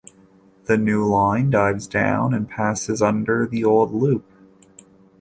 The new line dives down and passes under the old loop.